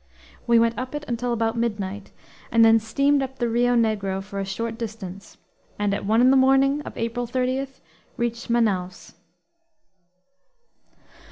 We went up it until about midnight, then steamed up the Rio Negro for a short distance, and at one in the morning of April 30 reached Manaos.